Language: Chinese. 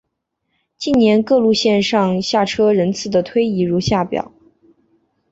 近年各路线上下车人次的推移如下表。